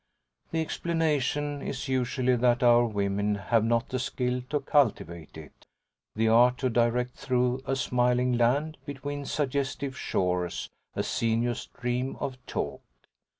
The explanation is usually that our women have not the skill to cultivate it the art to direct through a smiling land, between suggestive shores, a sinuous stream of talk.